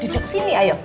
duduk sini ayo